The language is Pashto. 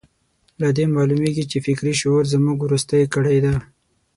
له دې معلومېږي چې فکري شعور زموږ وروستۍ کړۍ ده.